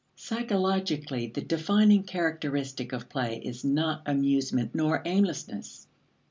Psychologically, the defining characteristic of play is not amusement nor aimlessness.